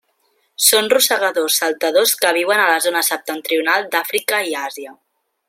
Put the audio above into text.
Són rosegadors saltadors que viuen a la zona septentrional d'Àfrica i Àsia.